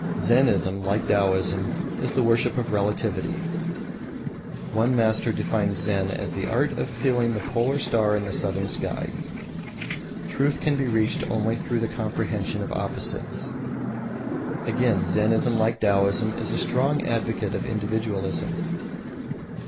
Zennism, like Taoism, is the worship of Relativity. One master defines Zen as the art of feeling the polar star in the southern sky. Truth can be reached only through the comprehension of opposites. Again, Zennism, like Taoism, is a strong advocate of individualism.